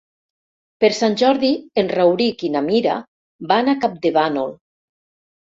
Per Sant Jordi en Rauric i na Mira van a Campdevànol.